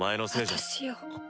私よ。